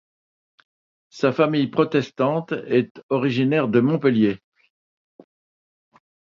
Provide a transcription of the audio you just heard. Sa famille protestante est originaire de Montpellier.